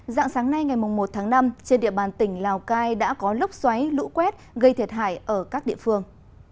dạng sáng nay ngày một tháng năm trên địa bàn tỉnh lào cai đã có lốc xoáy lũ quét gây thiệt hại ở các địa phương